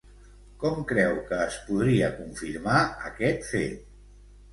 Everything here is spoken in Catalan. Com creu que es podria confirmar aquest fet?